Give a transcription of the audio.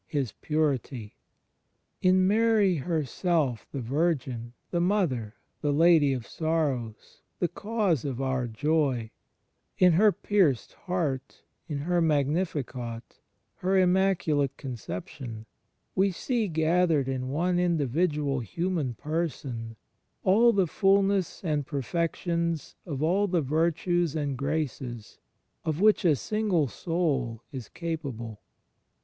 His purity. In Mary herself the Virgin, the Mother, the Lady of Sorrows, the Cause of our Joy — in Her pierced Heart, in her Magnificat, Her Immac ulate Conception — we see, gathered in one individual human person, all the fulness and perfections of all the virtues and graces of which a single soul is capable.